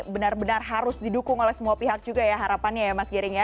benar benar harus didukung oleh semua pihak juga ya harapannya ya mas giring ya